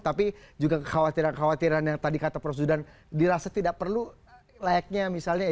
tapi juga kekhawatiran kekhawatiran yang tadi kata prof zudan dirasa tidak perlu layaknya misalnya